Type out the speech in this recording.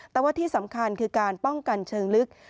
แต่ว่าที่สำคัญคือการป้องกันเชิงลึก